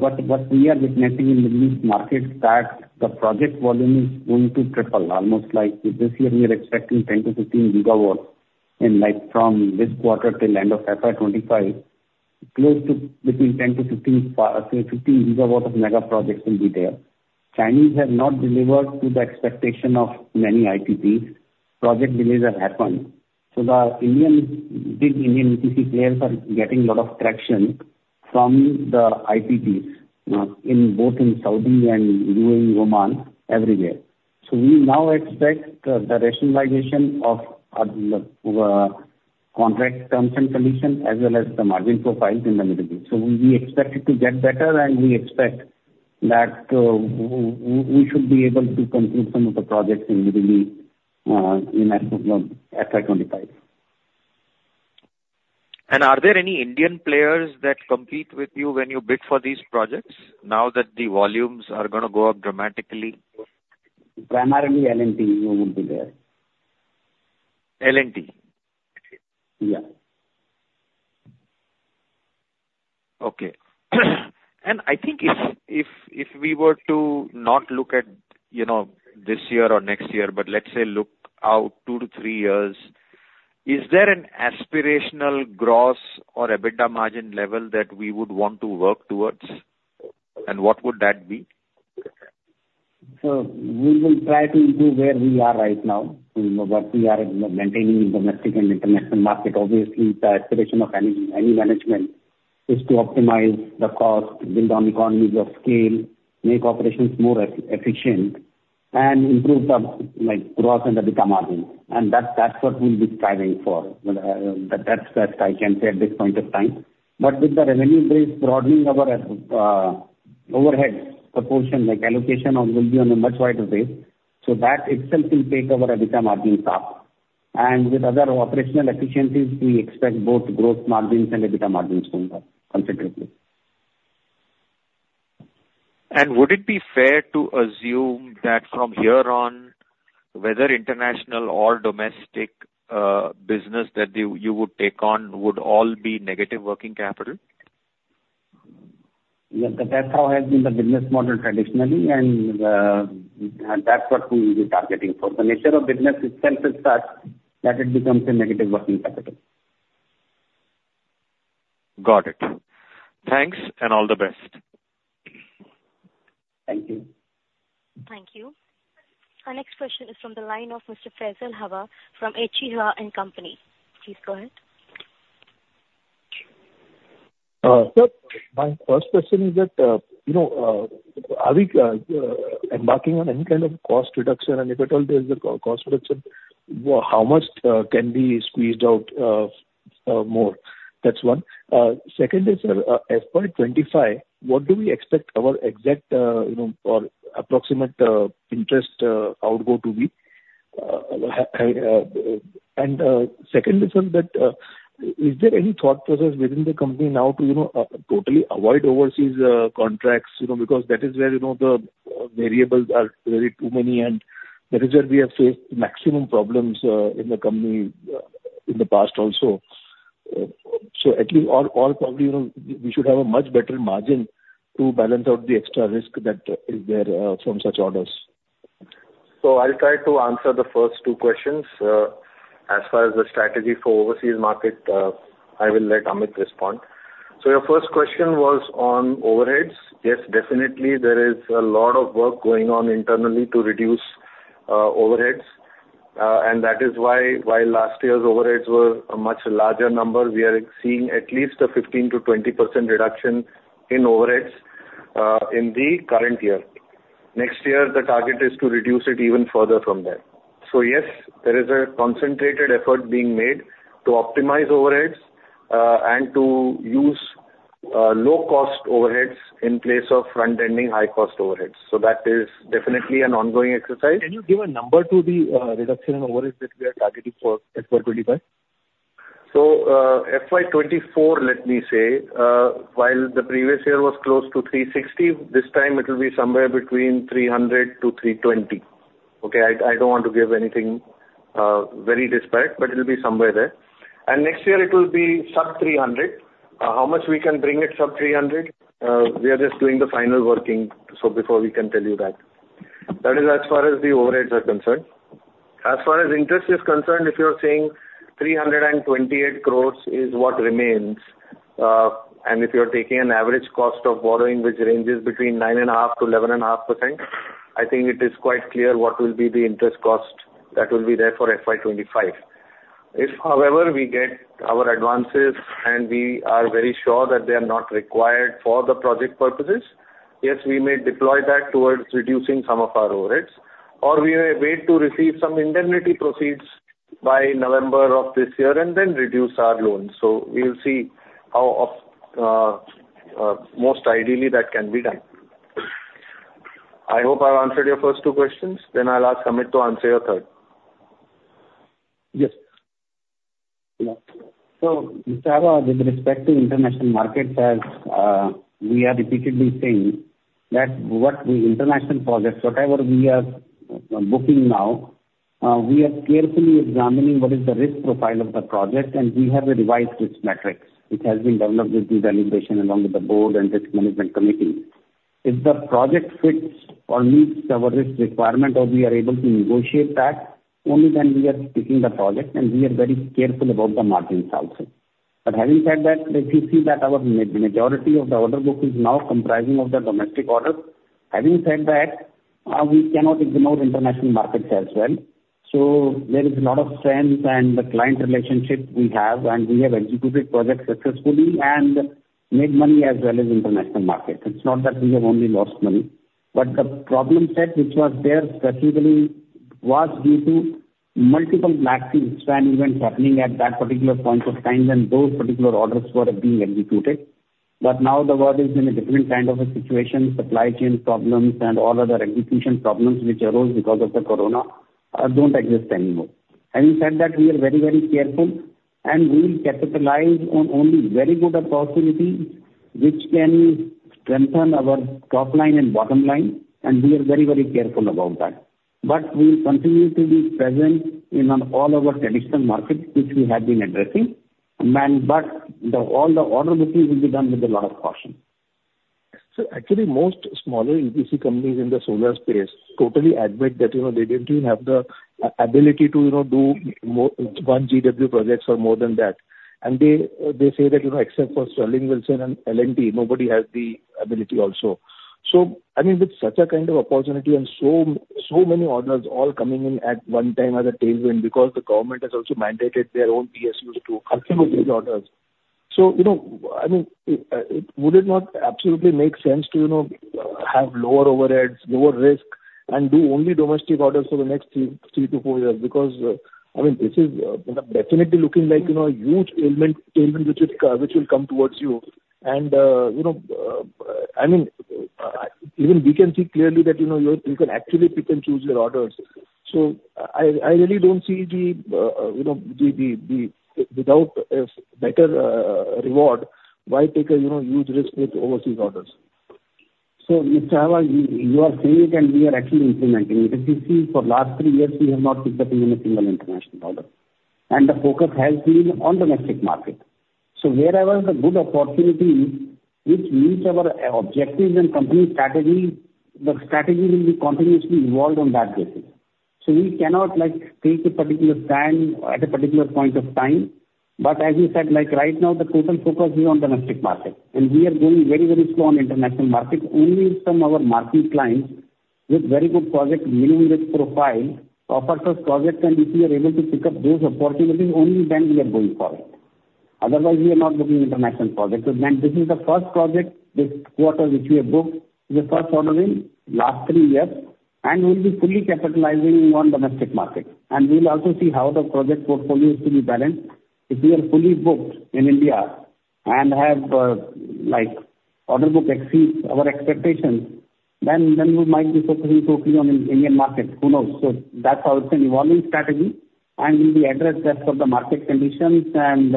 we are witnessing in the Middle East market, that the project volume is going to triple, almost like this year we are expecting 10-15 GW, and like from this quarter till end of FY 2025, close to between 10-15, say, 15 GW of mega projects will be there. Chinese have not delivered to the expectation of many IPPs. Project delays have happened, so the big Indian EPC players are getting lot of traction from the IPPs in both Saudi and UAE, Oman, everywhere. So we now expect the rationalization of contract terms and conditions as well as the margin profiles in the Middle East. So we expect it to get better, and we expect that we should be able to complete some of the projects in Middle East in FY 25. Are there any Indian players that compete with you when you bid for these projects, now that the volumes are gonna go up dramatically? Primarily, L&T would be there. L&T? Yeah. Okay. And I think if we were to not look at, you know, this year or next year, but let's say, look out two to three years, is there an aspirational gross or EBITDA margin level that we would want to work towards? And what would that be? So we will try to do where we are right now. You know, what we are maintaining in domestic and international market. Obviously, the aspiration of any management is to optimize the cost, build on economies of scale, make operations more efficient, and improve the, like, gross and EBITDA margin, and that's what we'll be striving for. That's best I can say at this point of time. But with the revenue base broadening our, overhead, the portion, like allocation on, will be on a much wider base, so that itself will take our EBITDA margin up.... and with other operational efficiencies, we expect both gross margins and EBITDA margins to improve considerably. Would it be fair to assume that from here on, whether international or domestic, business that you would take on would all be negative working capital? Yes, that, that's how has been the business model traditionally, and, and that's what we will be targeting for. The nature of business itself is such that it becomes a negative working capital. Got it. Thanks, and all the best. Thank you. Thank you. Our next question is from the line of Mr. Faisal Hawa from H.G. Hawa & Company. Please go ahead. Sir, my first question is that, you know, are we embarking on any kind of cost reduction? And if at all there is a cost reduction, well, how much can be squeezed out more? That's one. Second is, FY 25, what do we expect our exact, you know, or approximate, interest outgo to be? And second is on that, is there any thought process within the company now to, you know, totally avoid overseas contracts? You know, because that is where, you know, the variables are really too many, and that is where we have faced maximum problems in the company in the past also. So at least probably, you know, we should have a much better margin to balance out the extra risk that is there from such orders. So I'll try to answer the first two questions. As far as the strategy for overseas market, I will let Amit respond. So your first question was on overheads. Yes, definitely there is a lot of work going on internally to reduce overheads. And that is why last year's overheads were a much larger number. We are seeing at least a 15%-20% reduction in overheads in the current year. Next year, the target is to reduce it even further from there. So yes, there is a concentrated effort being made to optimize overheads and to use low-cost overheads in place of front-ending high-cost overheads. So that is definitely an ongoing exercise. Can you give a number to the reduction in overheads that we are targeting for FY25? FY 2024, let me say, while the previous year was close to 360, this time it will be somewhere between 300-320. Okay. I, I don't want to give anything very disparate, but it will be somewhere there. Next year it will be sub-INR 300. How much we can bring it sub-INR 300, we are just doing the final working, so before we can tell you that. That is as far as the overheads are concerned. As far as interest is concerned, if you're saying 328 crore is what remains, and if you're taking an average cost of borrowing, which ranges between 9.5%-11.5%, I think it is quite clear what will be the interest cost that will be there for FY 2025. If, however, we get our advances and we are very sure that they are not required for the project purposes, yes, we may deploy that towards reducing some of our overheads, or we may wait to receive some indemnity proceeds by November of this year and then reduce our loans. So we'll see how off most ideally that can be done. I hope I've answered your first two questions, then I'll ask Amit to answer your third. Yes. Yeah. So with respect to international markets, as we are repeatedly saying, that what the international projects, whatever we are booking now, we are carefully examining what is the risk profile of the project, and we have a revised risk matrix which has been developed with due delegation along with the board and Risk Management Committee. If the project fits or meets our risk requirement, or we are able to negotiate that, only then we are taking the project, and we are very careful about the margins also. But having said that, if you see that our majority of the order book is now comprising of the domestic orders, having said that, we cannot ignore international markets as well. So there is a lot of sense and the client relationship we have, and we have executed projects successfully and made money as well as international markets. It's not that we have only lost money. But the problem set, which was there specifically, was due to multiple black swan events happening at that particular point of time when those particular orders were being executed. But now the world is in a different kind of a situation. Supply chain problems and all other execution problems which arose because of the Corona don't exist anymore. Having said that, we are very, very careful, and we will capitalize on only very good opportunities which can strengthen our top line and bottom line, and we are very, very careful about that. But we will continue to be present in all our traditional markets, which we have been addressing. But all the order booking will be done with a lot of caution. So actually, most smaller EPC companies in the solar space totally admit that, you know, they don't even have the ability to, you know, do more than 1 GW projects or more than that. And they say that, you know, except for Sterling and Wilson and L&T, nobody has the ability also. So I mean, with such a kind of opportunity and so many orders all coming in at one time as a tailwind, because the government has also mandated their own PSUs to execute these orders. So, you know, I mean, would it not absolutely make sense to, you know, have lower overheads, lower risk, and do only domestic orders for the next three to four years? Because, I mean, this is definitely looking like, you know, a huge tailwind, which is which will come towards you. And, you know... I mean, even we can see clearly that, you know, you can actually pick and choose your orders. So I really don't see the, you know, the without a better reward, why take a, you know, huge risk with overseas orders? So Mr. Hawa, you, you are saying it, and we are actually implementing it. If you see for last three years, we have not picked up even a single international order, and the focus has been on domestic market. So wherever the good opportunity, which meets our objectives and company strategy, the strategy will be continuously evolved on that basis. So we cannot, like, take a particular time at a particular point of time, but as you said, like right now, the total focus is on domestic market. And we are going very, very slow on international market. Only some of our marketing clients with very good project, minimum risk profile, opportunist project, and if we are able to pick up those opportunities, only then we are going for it. Otherwise, we are not looking international project. So then this is the first project, this quarter, which we have booked, the first order in last three years, and we'll be fully capitalizing on domestic market. And we'll also see how the project portfolio is to be balanced. If we are fully booked in India and have, like, order book exceeds our expectations, then we might be focusing totally on Indian market. Who knows? So that's also an evolving strategy, and we will address as per the market conditions and,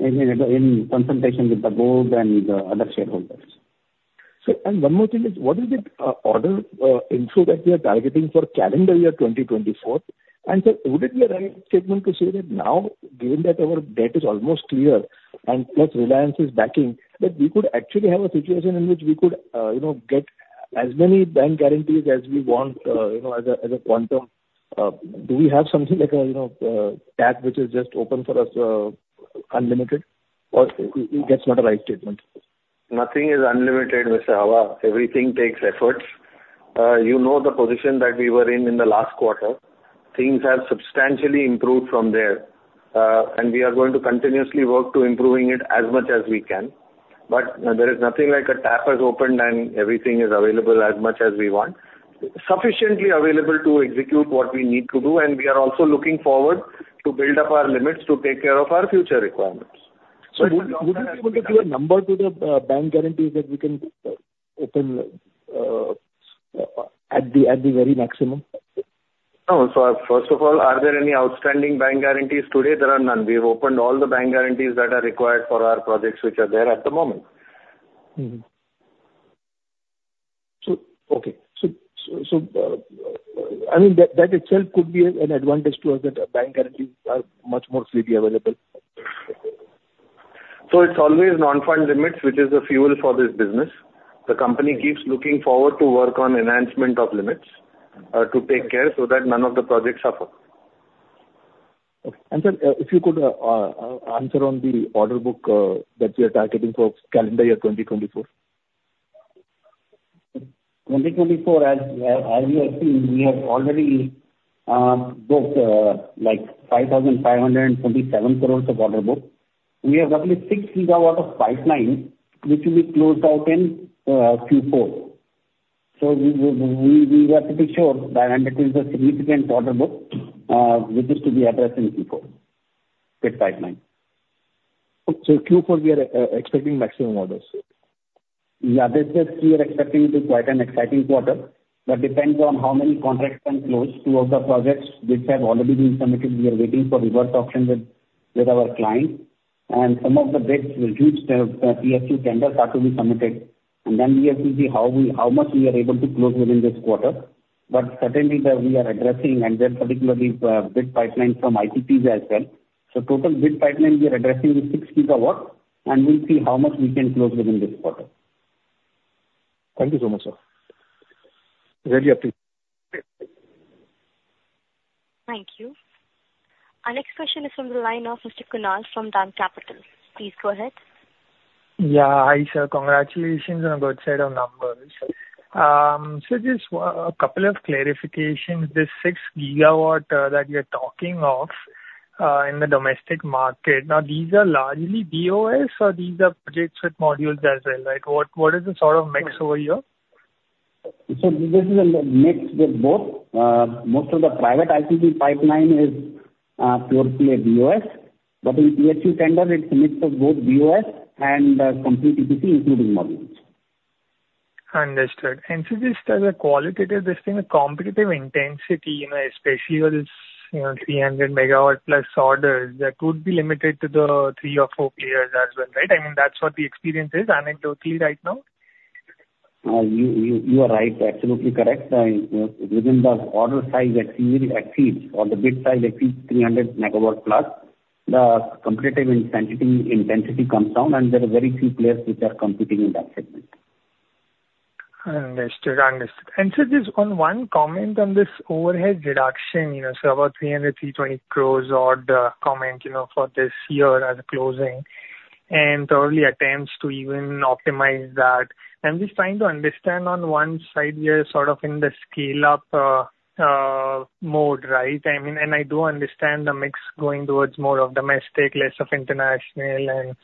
in consultation with the board and the other shareholders. So, and one more thing is, what is the order input that we are targeting for calendar year 2024? And so would it be a right statement to say that now, given that our debt is almost clear, and plus Reliance is backing, that we could actually have a situation in which we could, you know, get as many bank guarantees as we want, you know, as a quantum? Do we have something like a, you know, tap, which is just open for us, unlimited? Or that's not a right statement? Nothing is unlimited, Mr. Hawa. Everything takes efforts. You know the position that we were in, in the last quarter. Things have substantially improved from there, and we are going to continuously work to improving it as much as we can. But there is nothing like a tap has opened, and everything is available as much as we want. Sufficiently available to execute what we need to do, and we are also looking forward to build up our limits to take care of our future requirements. So would you be able to give a number to the bank guarantees that we can open at the very maximum? No. First of all, are there any outstanding bank guarantees today? There are none. We have opened all the bank guarantees that are required for our projects which are there at the moment. Mm-hmm. So, okay. So, I mean, that itself could be an advantage to us, that bank guarantees are much more freely available. It's always non-fund limits, which is the fuel for this business. The company keeps looking forward to work on enhancement of limits, to take care so that none of the projects suffer. Okay. And, sir, if you could answer on the order book that we are targeting for calendar year 2024. 2024, as, as we have seen, we have already, booked, like 5,527 crore of order book. We have roughly six GW of pipeline, which will be closed out in, Q4. So we, we, we are pretty sure that, and it is a significant order book, which is to be addressed in Q4, with pipeline. So Q4, we are expecting maximum orders? Yeah. This year we are expecting it to be quite an exciting quarter. That depends on how many contracts can close. Two of the projects which have already been submitted, we are waiting for reverse auction with our clients. And some of the bids, the huge PSU tenders are to be submitted. And then we have to see how much we are able to close within this quarter. But certainly that we are addressing, and then particularly, bid pipeline from IPPs as well. So total bid pipeline we are addressing is six GW, and we'll see how much we can close within this quarter. Thank you so much, sir. Really appreciate. Thank you. Our next question is from the line of Mr. Kunal from DAM Capital. Please go ahead. Yeah. Hi, sir. Congratulations on a good set of numbers. So just a couple of clarifications. This six GW that you're talking of in the domestic market, now these are largely BOS or these are projects with modules as well, right? What is the sort of mix over here? This is a mix with both. Most of the private IPP pipeline is purely a BOS, but in PSU tender, it's a mix of both BOS and complete EPC, including modules. Understood. And so just as a qualitative, just in the competitive intensity, you know, especially with, you know, 300 MW-plus orders, that could be limited to the three or four players as well, right? I mean, that's what the experience is anecdotally right now. You are right, absolutely correct. Within the order size that exceeds or the bid size exceeds 300 MW plus, the competitive intensity comes down, and there are very few players which are competing in that segment. Understood. Understood. And so just on one comment on this overhead reduction, you know, so about 300-320 crore odd, comment, you know, for this year as closing, and early attempts to even optimize that. I'm just trying to understand on one side, we are sort of in the scale-up mode, right? I mean, and I do understand the mix going towards more of domestic, less of international, and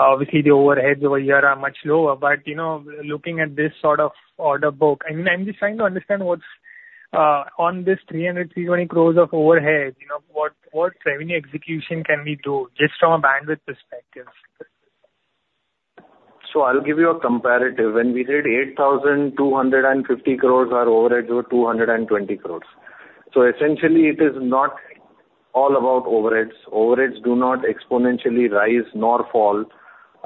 obviously the overheads over here are much lower. But, you know, looking at this sort of order book, I'm just trying to understand what's on this 320 crore of overhead, you know, what revenue execution can we do just from a bandwidth perspective? So I'll give you a comparative. When we did 8,250 crores, our overheads were 220 crores. So essentially, it is not all about overheads. Overheads do not exponentially rise nor fall,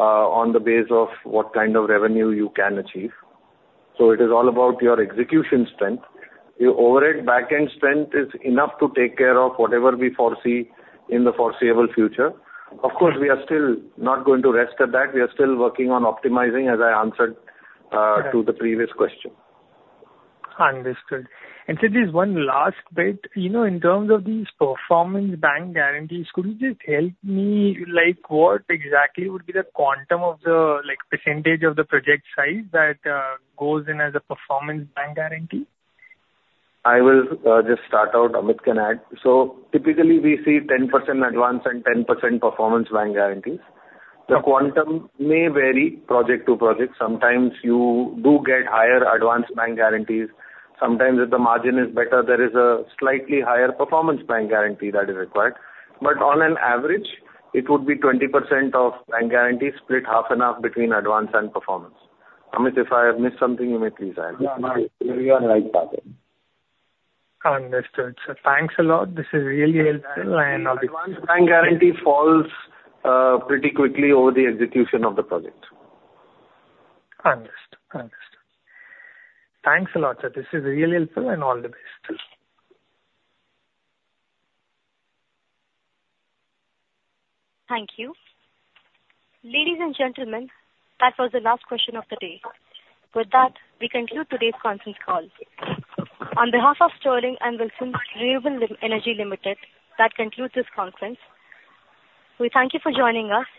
on the base of what kind of revenue you can achieve. So it is all about your execution strength. Your overhead back-end strength is enough to take care of whatever we foresee in the foreseeable future. Of course, we are still not going to rest at that. We are still working on optimizing, as I answered, to the previous question. Understood. Sir, just one last bit. You know, in terms of these performance bank guarantees, could you just help me, like, what exactly would be the quantum of the, like, percentage of the project size that goes in as a performance bank guarantee? I will just start out. Amit can add. So typically, we see 10% advance and 10% performance bank guarantees. The quantum may vary project to project. Sometimes you do get higher advance bank guarantees. Sometimes if the margin is better, there is a slightly higher performance bank guarantee that is required. But on an average, it would be 20% of bank guarantee split half and half between advance and performance. Amit, if I have missed something, you may please add. No, you are on right path. Understood, sir. Thanks a lot. This is really helpful, and I'll- The advance bank guarantee falls pretty quickly over the execution of the project. Understood. Understood. Thanks a lot, sir. This is really helpful, and all the best. Thank you. Ladies and gentlemen, that was the last question of the day. With that, we conclude today's conference call. On behalf of Sterling and Wilson Renewable Energy Limited, that concludes this conference. We thank you for joining us.